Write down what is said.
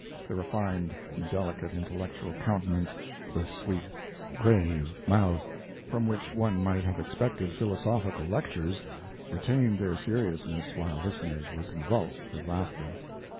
The refined, delicate, intellectual countenance, the sweet, gave, mouth, from which one might have expected philosophical lectures retained their seriousness while listeners were convulsed with laughter.